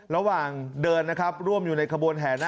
ระหว่างเดินร่วมอยู่ในขบวนแหน่